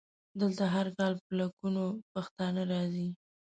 دلته هر کال په لکونو پښتانه راځي.